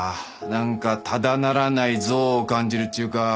なんかただならない憎悪を感じるっちゅうか。